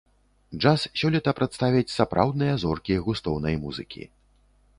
Джаз сёлета прадставяць сапраўдныя зоркі густоўнай музыкі.